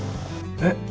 えっ